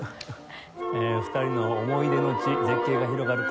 ２人の思い出の地絶景が広がる